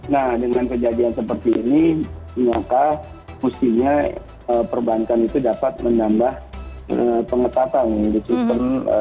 nah dengan kejadian seperti ini maka mestinya perbankan itu dapat menambah pengetatan di sistem